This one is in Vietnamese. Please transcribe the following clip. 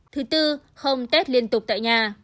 thứ tư không test liên tục tại nhà